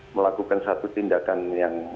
melakukan satu tindakan yang